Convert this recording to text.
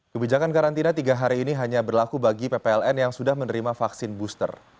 kebijakan karantina tiga hari ini hanya berlaku bagi ppln yang sudah menerima vaksin booster